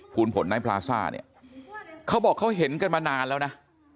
ผลไม้พลาซ่าเนี่ยเขาบอกเขาเห็นกันมานานแล้วนะ